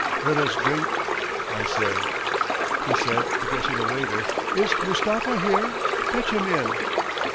Let us drink! I say," he said, addressing a waiter, "is Mustafa here? Fetch him in!"